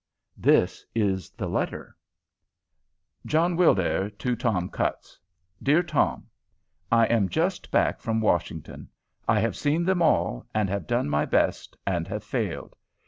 This is the letter: JOHN WILDAIR TO TOM CUTTS. DEAR TOM, I am just back from Washington. I have seen them all, and have done my best, and have failed.